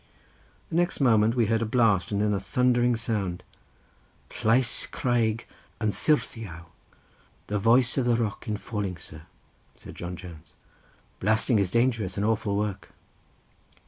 The next moment we heard a blast, and then a thundering sound: "Llais craig yn syrthiaw; the voice of the rock in falling, sir," said John Jones; "blasting is dangerous and awful work."